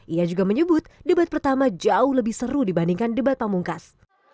ia juga menyebut debat pertama jauh lebih seru dibandingkan debat pamungkas